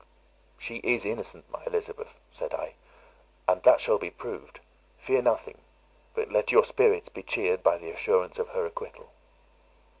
"She is innocent, my Elizabeth," said I, "and that shall be proved; fear nothing, but let your spirits be cheered by the assurance of her acquittal."